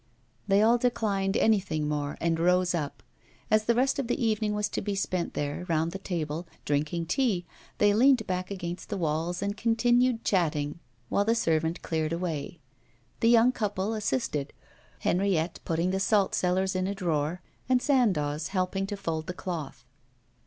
They all declined anything more, and rose up. As the rest of the evening was to be spent there, round the table, drinking tea, they leaned back against the walls and continued chatting while the servant cleared away. The young couple assisted, Henriette putting the salt cellars in a drawer, and Sandoz helping to fold the cloth.